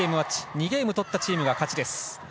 ２ゲーム取ったチームが勝ちです。